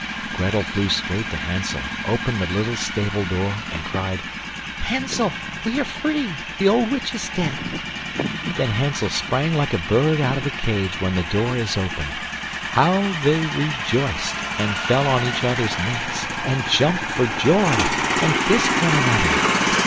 Grettel flew straight to Hansel, opened the little stable door, and cried: "Hansel, we are free; the old witch is dead." Then Hansel sprang like a bird out of a cage when the door is opened. How they rejoiced, and fell on each other's necks, and jumped for joy, and kissed one another!